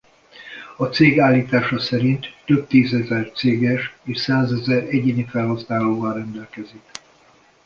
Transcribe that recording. A cég állítása szerint több tízezer céges és százezer egyéni felhasználóval rendelkezik.